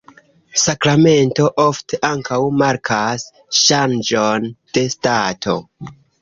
Sakramento ofte ankaŭ markas ŝanĝon de stato.